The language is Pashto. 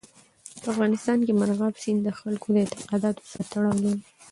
په افغانستان کې مورغاب سیند د خلکو له اعتقاداتو سره تړاو لري.